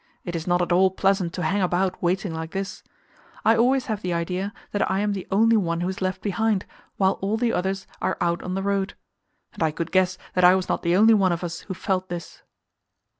It is not at all pleasant to hang about waiting like this; I always have the idea that I am the only one who is left behind, while all the others are out on the road. And I could guess that I was not the only one of us who felt this.